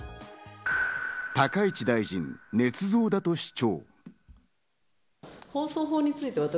高市大臣、ねつ造だと主張。